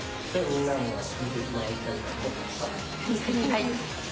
はい。